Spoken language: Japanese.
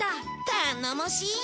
頼もしい！